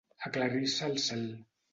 Aclarir-se el cel.